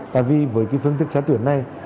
tại vì với cái phương thức xác tuyển này